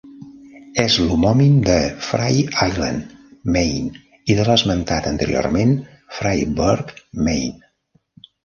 És l'homònim de Frye Island, Maine i de l'esmentat anteriorment Fryeburg, Maine.